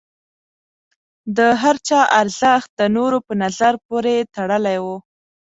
د هر چا ارزښت د نورو په نظر پورې تړلی و.